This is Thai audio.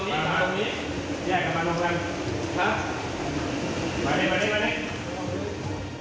มานี่